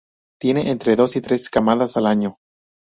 Tiene entre dos y tres camadas al año.